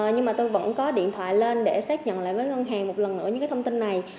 nhưng mà tôi vẫn có điện thoại lên để xác nhận lại với ngân hàng một lần nữa những cái thông tin này